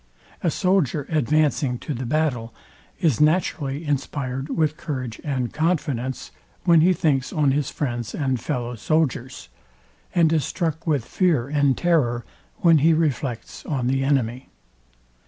A soldier advancing to the battle, is naturally inspired with courage and confidence, when he thinks on his friends and fellow soldiers; and is struck with fear and terror, when he reflects on the enemy.